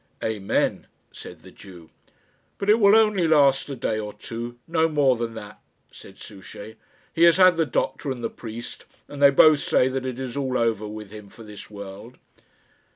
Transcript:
"Amen," said the Jew. "But it will only last a day or two; no more than that," said Souchey. "He has had the doctor and the priest, and they both say that it is all over with him for this world."